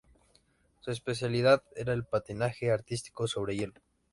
Su especialidad era el patinaje artístico sobre hielo.